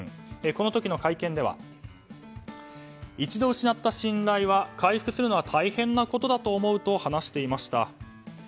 この時の会見では一度失った信頼は回復するのは大変なことだと思うと話していました。